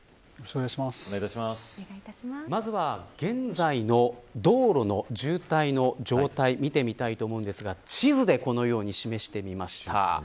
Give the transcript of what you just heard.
まずは、現在の道路の渋滞の状態見てみたいと思うんですが地図て示してみました。